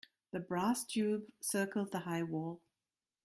The brass tube circled the high wall.